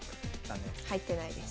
入ってないです。